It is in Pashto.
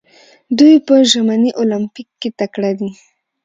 دوی په ژمني المپیک کې تکړه دي.